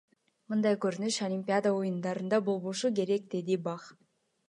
Мындай көрүнүш Олимпиада оюндарында болбош керек, — деди Бах.